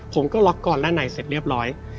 ผมก็ล็อกกอนด้านในเสร็จเรียบร้อย